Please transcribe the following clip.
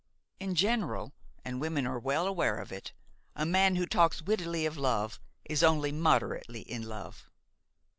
In general–and women are well aware of it–a man who talks wittily of love is only moderately in love.